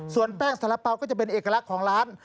ส่วนแป้งสาระเป๋าก็จะเป็นเอกลักษณ์ของร้าน